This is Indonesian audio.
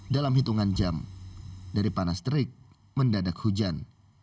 dalam hitungan jam dari panas terik mendadak hujan